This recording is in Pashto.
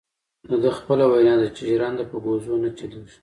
دده خپله وینا ده چې ژرنده په کوزو نه چلیږي.